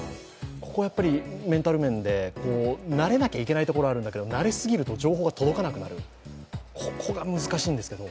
ココはやっぱりメンタル面で慣れなきゃいけないところもあるけれど慣れすぎると情報が届かなくなる、ここが難しいんですけど。